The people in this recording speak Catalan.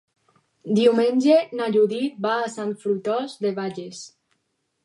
Diumenge na Judit va a Sant Fruitós de Bages.